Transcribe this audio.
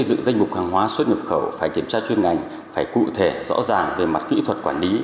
xây dựng danh mục hàng hóa xuất nhập khẩu phải kiểm tra chuyên ngành phải cụ thể rõ ràng về mặt kỹ thuật quản lý